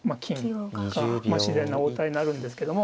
まあ自然な応対になるんですけども。